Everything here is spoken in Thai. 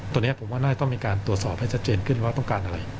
ตรงนี้ผมว่าน่าจะต้องมีการตรวจสอบให้ชัดเจนขึ้นว่าต้องการอะไร